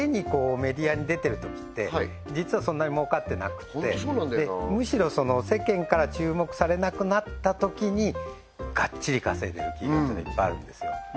メディアに出てるときって実はそんなに儲かってなくってむしろ世間から注目されなくなったときにがっちり稼いでる企業っていうのはいっぱいあるんですよ